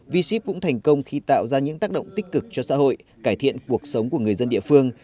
v ship cũng thành công khi tạo ra những tác động tích cực cho xã hội cải thiện cuộc sống của người dân địa phương